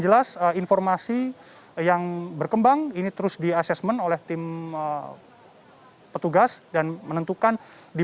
jelas informasi yang berkembang ini terus di assessment oleh tim petugas dan menentukan di